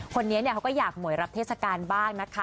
คนนี้เขาก็อยากหมวยรับเทศกาลบ้างนะคะ